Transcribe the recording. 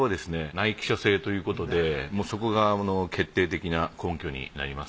ナイキ社製ということでそこが決定的な根拠になります。